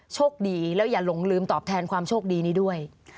โชคดีแล้วอย่าหลงลืมตอบแทนความโชคดีนี้ด้วย